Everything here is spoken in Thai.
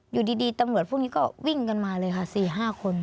อยู่ดีตำรวจพวกนี้ก็วิ่งกันมาเลยค่ะ๔๕คน